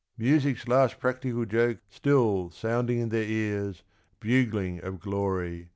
Music's last practical joke Still sounding in their ears, bugling of glory.